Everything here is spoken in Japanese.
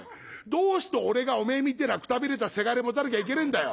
どうして俺がおめえみてえなくたびれたせがれ持たなきゃいけねえんだよ。